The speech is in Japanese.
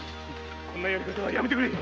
こんなやり方はやめてくれ！